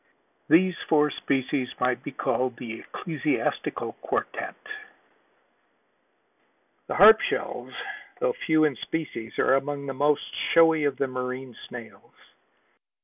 These four species might be called the ecclesiastical quartette. The Harp shells, although few in species, are among the most showy of the marine snails.